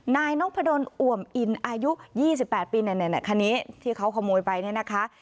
นายนพดลอวมอินอายุ๒๘ปีคันนี้ที่เขาขโมยไปเนี่ยนะคะ